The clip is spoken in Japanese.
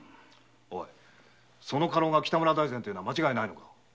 その家老が北村大膳というのは間違いないのか？